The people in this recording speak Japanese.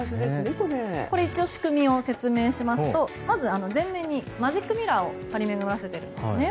これ、仕組みを説明しますとまず、全面にマジックミラーを張り巡らせているんですね。